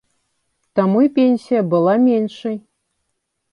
Таму і пенсія была меншай.